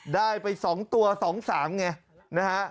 ได้ไป๒ตัว๒๓ไงนะฮะ